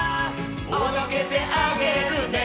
「おどけてあげるね」